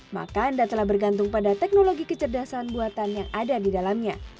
maka anda telah bergantung pada teknologi kecerdasan buatan yang ada di dalamnya